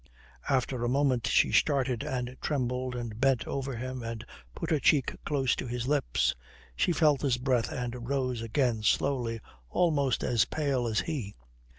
After a moment, she started and trembled and bent over him and put her cheek close to his lips. She felt his breath and rose again slowly almost as pale as he.